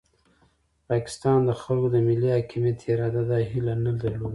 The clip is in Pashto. د پاکستان د خلکو د ملي حاکمیت اراده دا هیله نه درلوده.